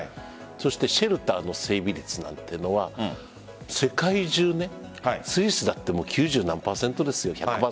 そしてシェルターの整備率なんていうのは世界中、スイスだって九十何パーセントです。